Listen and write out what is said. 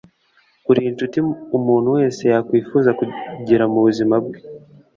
uri inshuti umuntu wese yakwifuza kugira mu buzima bwe